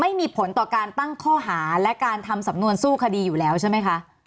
ไม่มีผลต่อการตั้งข้อหาและการทำสำนวนสู้คดีอยู่แล้วใช่ไหมคะ